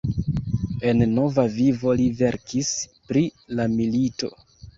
En nova vivo li verkis pri la milito.